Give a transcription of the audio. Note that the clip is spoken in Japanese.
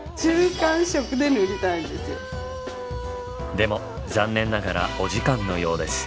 でも残念ながらお時間のようです。